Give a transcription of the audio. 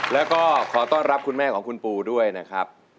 แล้วก็ขอต้อนรับคุณแม่ของคุณปูด้วยนะครับ